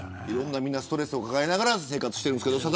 いろんなストレスを抱えながら生活してるんです。